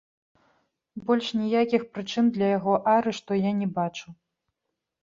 Больш ніякіх прычын для яго арышту я не бачу.